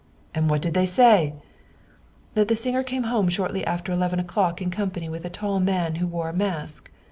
" And what did they say ?"" That the singer came home shortly after eleven o'clock in company with a tall man who wore a mask.